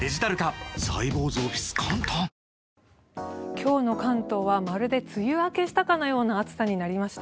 今日の関東はまるで梅雨明けしたかのような暑さになりました。